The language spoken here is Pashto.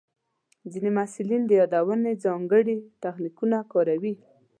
ځینې محصلین د یادونې ځانګړي تخنیکونه کاروي.